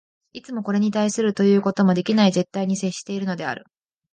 いつもこれに対するということもできない絶対に接しているのである。